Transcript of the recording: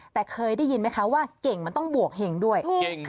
แต่เคยได้ยินไหมคะว่าเก่งมันต้องบวกเห็งด้วย